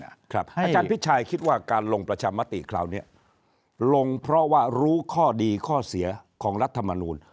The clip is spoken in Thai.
อาจารย์พิชัยคิดว่าการลงประชามติคราวนี้ลงเพราะว่ารู้ข้อดีข้อเสียของรัฐมนูล